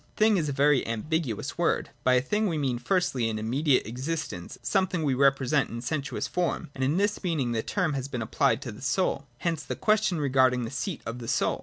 ' Thing ' is a very ambiguous word. By a thing, we mean, firstly, an immediate existence, something we re present in sensuous form : and in this meaning the term has been applied to the soul. Hence the question regard ing the seat of the soul.